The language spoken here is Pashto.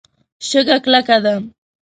شګه کلکه ده.